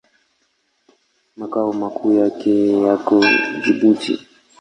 Makao makuu yake yako Jibuti.